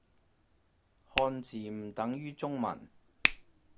漢字唔等於中文